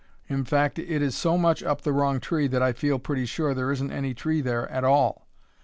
In fact, it is so much up the wrong tree that I feel pretty sure there isn't any tree there at all!